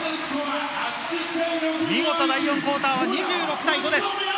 見事な第４クオーター、２６対５です。